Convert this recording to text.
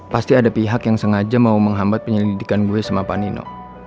pasti ada pihak yang sengaja mau menghambat penyelidikan gue sama pak nino